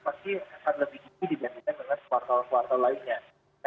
pasti akan lebih tinggi dibandingkan dengan kuartal kuartal lainnya